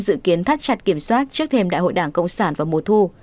dự kiến thắt chặt kiểm soát trước thêm đại hội đảng cộng sản vào mùa thu